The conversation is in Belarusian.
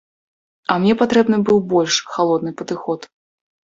А мне патрэбны быў больш халодны падыход.